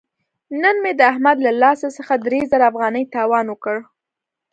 نن مې د احمد له لاس څخه درې زره افغانۍ تاوان وکړ.